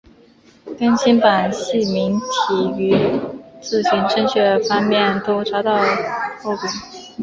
更新版细明体于字形正确方面都遭到诟病。